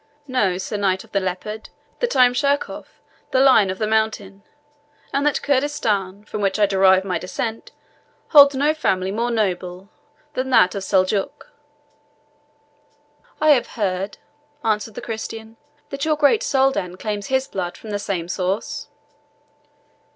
Know, Sir Knight of the Leopard, that I am Sheerkohf, the Lion of the Mountain, and that Kurdistan, from which I derive my descent, holds no family more noble than that of Seljook." "I have heard," answered the Christian, "that your great Soldan claims his blood from the same source?"